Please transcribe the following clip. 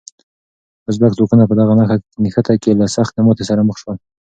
ازبک ځواکونه په دغه نښته کې له سختې ماتې سره مخ شول.